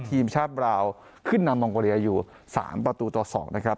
ทีมชาติบราวขึ้นนำมองโกเลียอยู่๓ประตูต่อ๒นะครับ